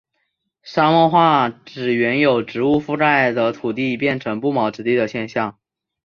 沙漠化指原由植物覆盖的土地变成不毛之地的现象。